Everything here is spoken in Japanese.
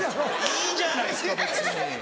いいじゃないですか別に！